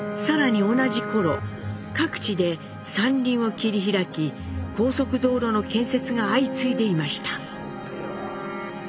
更に同じ頃各地で山林を切り開き高速道路の建設が相次いでいました。